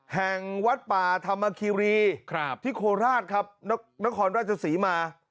แห่งวัดป่าธรรมคีรีที่โคราชครับนครราชศรีมา